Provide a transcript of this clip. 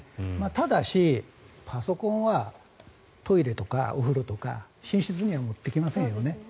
ただし、パソコンはトイレとかお風呂とか寝室には持っていきませんよね。